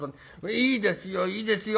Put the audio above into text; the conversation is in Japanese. いいですよいいですよ。